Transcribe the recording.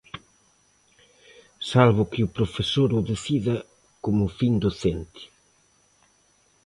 Salvo que o profesor o decida como fin docente.